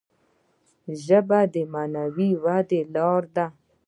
ژبه د معنوي ودي لاره ده.